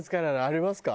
ありますか？